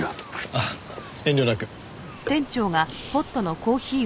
あっ遠慮なく。